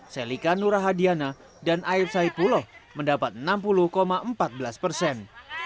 selika nura hadiana dan af saipuloh mendapat enam puluh empat belas persen